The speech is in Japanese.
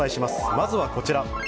まずはこちら。